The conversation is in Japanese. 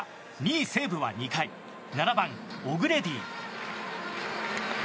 ２位、西武は２回７番、オグレディ。